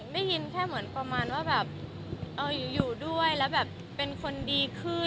ได้ยินแค่เหมือนประมาณว่าแบบอยู่ด้วยแล้วแบบเป็นคนดีขึ้น